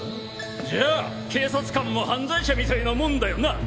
じゃあ警察官も犯罪者みたいなもんだよなぁ？